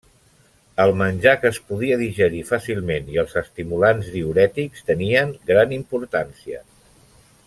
El menjar que es podia digerir fàcilment i els estimulants diürètics tenien gran importància.